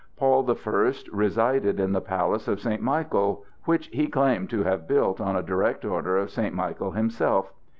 Paul the First resided in the palace of St. Michael, which he claimed to have built on a direct order of St. Michael himself.